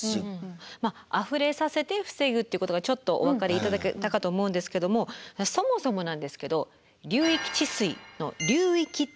まああふれさせて防ぐっていうことがちょっとお分かりいただけたかと思うんですけどもそもそもなんですけど流域治水の「流域」って。